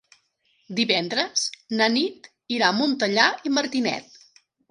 Divendres na Nit irà a Montellà i Martinet.